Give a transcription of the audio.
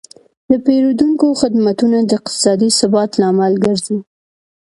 د پیرودونکو خدمتونه د اقتصادي ثبات لامل ګرځي.